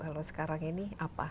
kalau sekarang ini apa